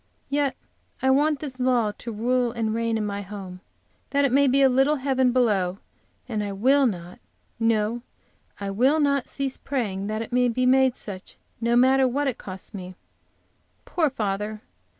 Yet I want this law to rule and reign in my home, that it may be a little heaven below, and I will not, no, I will not, cease praying that it may be such, no matter what it costs me. Poor father!